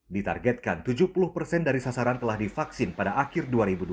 ditargetkan tujuh puluh persen dari sasaran telah divaksin pada akhir dua ribu dua puluh